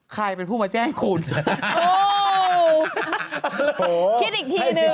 ใครเป็นผู้มาแจ้งคุณคิดอีกทีนึง